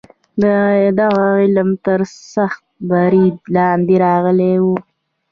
دغه علم تر سخت برید لاندې راغلی و.